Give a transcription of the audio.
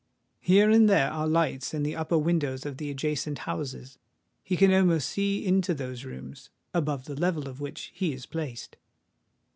Here and there are lights in the upper windows of the adjacent houses: he can almost see into those rooms, above the level of which he is placed.